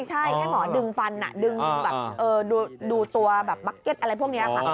ใช่ให้หมอดึงฟันดึงแบบดูตัวแบบอะไรพวกนี้